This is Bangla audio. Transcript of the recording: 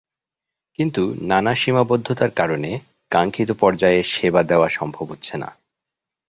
কিন্তু নানা সীমাবদ্ধতার কারণে কাঙ্ক্ষিত পর্যায়ে সেবা দেওয়া সম্ভব হচ্ছে না।